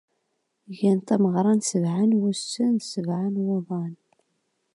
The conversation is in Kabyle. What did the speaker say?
Gan tameɣra n sebɛa n wusan d sebɛa n wuḍan.